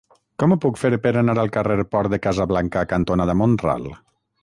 Com ho puc fer per anar al carrer Port de Casablanca cantonada Mont-ral?